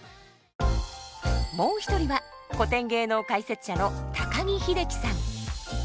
もう一人は古典芸能解説者の高木秀樹さん。